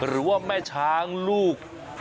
หรือว่าแม่ช้างลูก